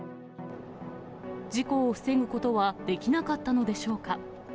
事故を防ぐことはできなかったのでしょうか。